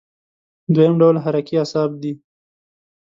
دویم ډول حرکي اعصاب دي.